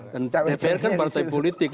dpr kan partai politik